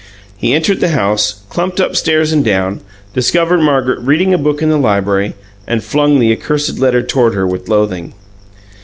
He entered the house, clumped upstairs and down, discovered Margaret reading a book in the library, and flung the accursed letter toward her with loathing.